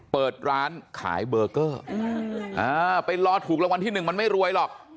เปิดร้านขายเบอร์เกอร์ไปรอถูกรางวัลที่หนึ่งมันไม่รวยหรอก